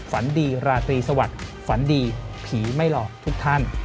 ฝันดีราตรีสวัสดิ์ฝันดีผีไม่หลอกทุกท่าน